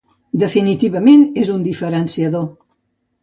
Definitivament era un diferenciador.